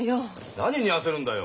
何に焦るんだよ。